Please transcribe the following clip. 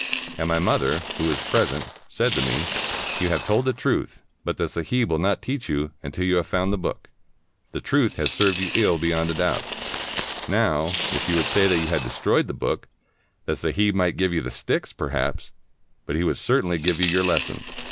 And my mother, who was present, said to me, 'You have told the truth, but the sahib will not teach you, until you have found the book. The truth has served you ill, beyond a doubt. Now, if you would say that you had destroyed the book, the sahib might give you the sticks, perhaps, but he would certainly give you your lessons.'